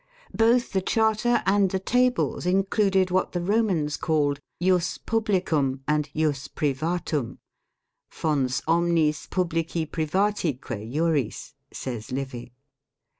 Both the Charter and the Tables included what the Romans called " lus pub licum " and "lus Privatum," " fons omnis publici privati que Juris," says Livy.